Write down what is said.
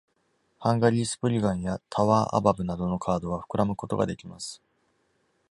ハングリー・スプリガンやタワー・アバブなどのカードは、膨らむことができます。